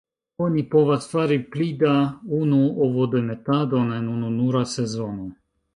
Oni povas fari pli da unu ovodemetadon en ununura sezono.